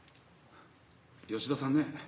吉田さんね